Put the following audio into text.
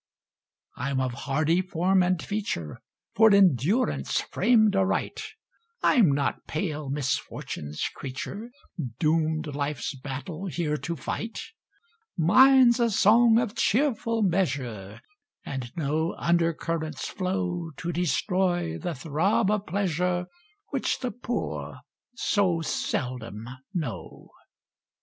I'm of hardy form and feature, For endurance framed aright; I'm not pale misfortune's creature, Doomed life's battle here to fight: Mine's a song of cheerful measure, And no under currents flow To destroy the throb of pleasure Which the poor so seldom know.